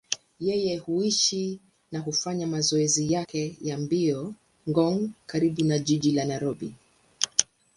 Yeye huishi na hufanya mazoezi yake ya mbio Ngong, karibu na jiji la Nairobi.